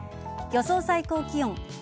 予想最高気温。